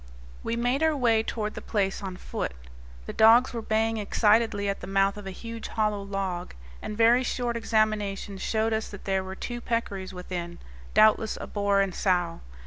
We made our way toward the place on foot. The dogs were baying excitedly at the mouth of a huge hollow log, and very short examination showed us that there were two peccaries within, doubtless a boar and sow.